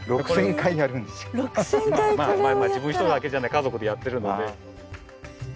自分一人だけじゃない家族でやってるので。